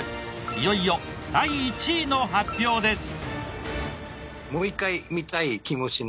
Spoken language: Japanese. いよいよ第１位の発表です。